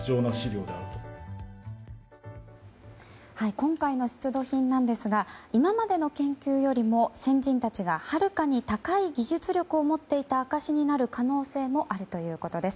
今回の出土品なんですが今までの研究よりも先人たちがはるかに高い技術力を持っていた証しになる可能性もあるということです。